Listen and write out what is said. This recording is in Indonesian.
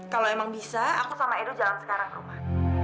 kalau emang bisa aku sama edo jalan sekarang ke rumah